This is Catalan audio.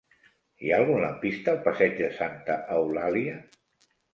Hi ha algun lampista al passeig de Santa Eulàlia?